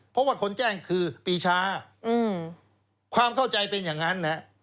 เพราะว่าคนแจ้งคือปีชาความเข้าใจเป็นอย่างนั้น